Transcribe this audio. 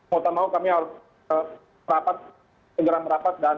mau tak mau kami harus merapat segera merapat